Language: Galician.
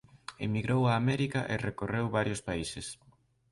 Emigrou a América e recorreu varios países.